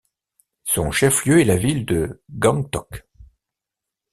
Son chef-lieu est la ville de Gangtok.